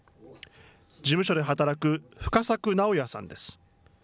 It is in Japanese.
事務所で働く深作直哉さんです。